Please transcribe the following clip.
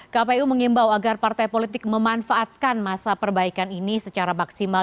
kpu mengimbau agar partai politik memanfaatkan masa perbaikan ini secara maksimal